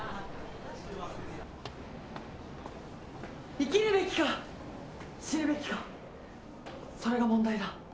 ・生きるべきか死ぬべきかそれが問題だ。